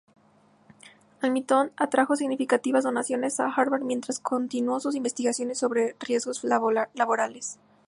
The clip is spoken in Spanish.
Hamilton atrajo significativas donaciones a Harvard mientras continuó sus investigaciones sobre riesgos laborales.